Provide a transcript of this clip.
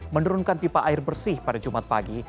menurunkan pipa air bersih pada jumat pagi